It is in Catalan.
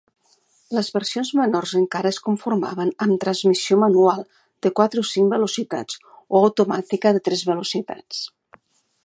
Les versions menors encara es conformaven amb transmissió manual de quatre o cinc velocitats, o automàtica de tres velocitats.